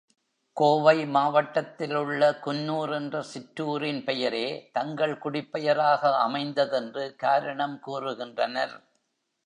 கோவை மாவட்டத்திலுள்ள குன்னூர் என்ற சிற்றூரின் பெயரே தங்கள் குடிப்பெயராக அமைந்ததென்று காரணம் கூறுகின்றனர்.